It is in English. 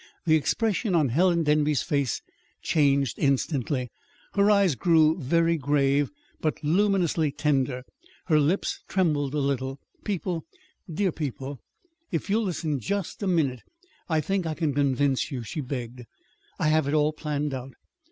The expression on Helen Denby's face changed instantly. Her eyes grew very grave, but luminously tender. Her lips trembled a little. "People, dear people, if you'll listen just a minute I think I can convince you," she begged. "I have it all planned out.